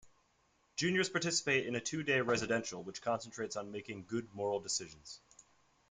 Juniors participate in a two-day residential which concentrates on making good moral decisions.